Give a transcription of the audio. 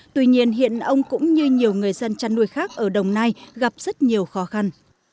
tuy nhiên hiện ông cũng như nhiều người dân chăn nuôi khác ở đồng nai gặp rất nhiều khó khăn